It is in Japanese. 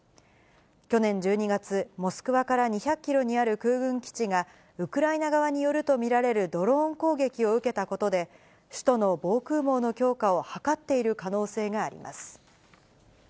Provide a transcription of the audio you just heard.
去年１２月、モスクワから２００キロにある空軍基地が、ウクライナ側によると見られるドローン攻撃を受けたことで、首都の防空網の強化を図っている可能性があります。